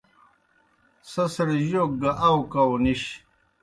سہ سڑ جوک گہ اؤکؤ نِش۔